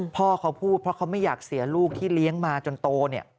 พ่อเขาพูดเพราะเขาไม่อยากเสียลูกที่เลี้ยงมาจนโตเนี่ย